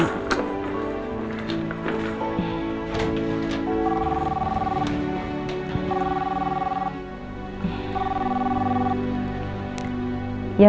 terima kasih ya bu